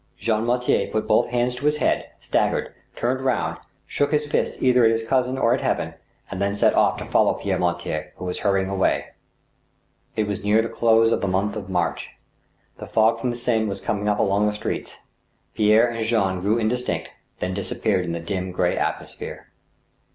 Jean Mortier put both hands to his head, staggered, turned round, shook his fist either at his cousin or at Heaven, and then set off to follow Pierre Mortier, who was hurrying away. It was near the close of the month of March. A fog from the Seine was coming up along the streets. Pierre and Jean grew in distinct, then disappeared in the dim, gray atmosphere.